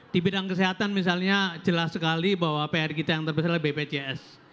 di bidang kesehatan misalnya jelas sekali bahwa pr kita yang terbesar adalah bpjs